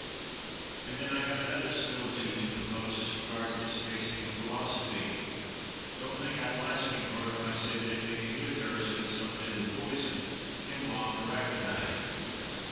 And then I have another similitude to propose, as regards this tasting of philosophy. Don't think I blaspheme her if I say that it may be with her as with some deadly poison, hemlock or aconite.